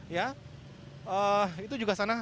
ya itu juga sana